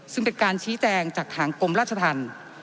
ซึ่งเป็นการชี้แจงจากทางกรมราชธรรม